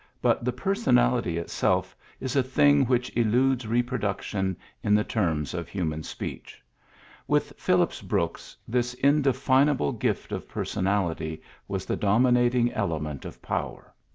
But the personality itself is a thing which eludes reproduction in the terms of hu man speech. With Phillips Brooks this indefinable gift of personality was the dominating element of power.